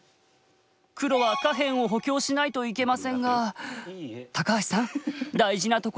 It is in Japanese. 黒は下辺を補強しないといけませんが橋さん大事なところですよ。